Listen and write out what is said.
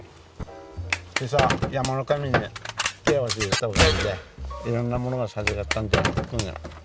今朝山の神に手を合わせてきたおかげでいろんなものが授かったんで。